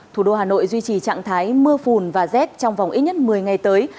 thủ đô hà nội duy trì trạng thái mưa phùn và rét trong vòng ít nhất một mươi ngày tới